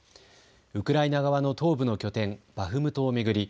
ウクライナ側の東部の拠点、バフムトを巡り